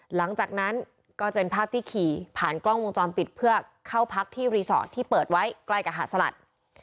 หลังจากนั้นก็จะเป็นภาพที่ขี่ผ่านกล้องวงจรปิดเพื่อเข้าพักที่รีสอร์ทที่เปิดไว้ใกล้กับหาดสลัด